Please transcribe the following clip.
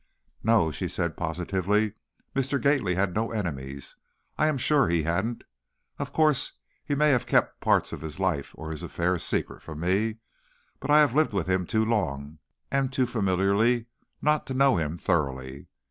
"No," she said, positively, "Mr. Gately had no enemies, I am sure he hadn't! Of course, he may have kept parts of his life or his affairs secret from me, but I have lived with him too long and too familiarly not to know him thoroughly.